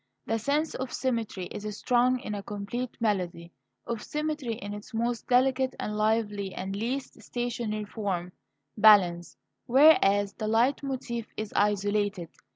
The sense of symmetry is strong in a complete melody of symmetry in its most delicate and lively and least stationary form balance; whereas the leit motif is isolated.